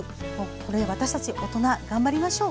これ、私たち大人頑張りましょう。